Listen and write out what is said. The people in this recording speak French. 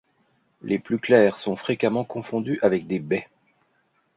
Les plus clairs sont fréquemment confondus avec des bais.